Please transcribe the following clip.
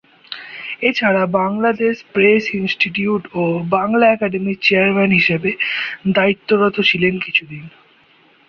এছাড়া Bangladesh press institute ও বাংলা একাডেমির চেয়ারম্যান হিসেবে দায়িত্বরত ছিলেন কিছুদিন।